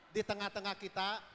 di tengah tengah kita